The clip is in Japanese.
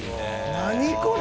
何これ。